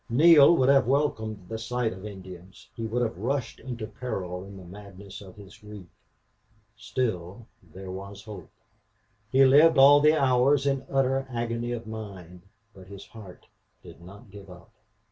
Neale would have welcomed the sight of Indians; he would have rushed into peril in the madness of his grief. Still, there was hope! He lived all the hours in utter agony of mind, but his heart did not give up.